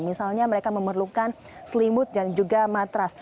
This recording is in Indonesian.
misalnya mereka memerlukan selimut dan juga matras